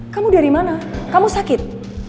kamu dari mana kamu sakit